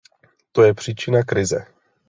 To je příčina krize.